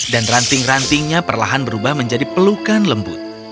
dan ranting rantingnya perlahan berubah menjadi pelukan lembut